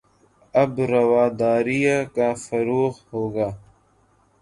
اب رواداری کا فروغ ہو گا